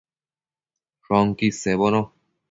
Shoquid sebono